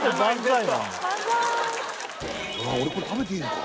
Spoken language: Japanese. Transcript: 俺これ食べていいのか？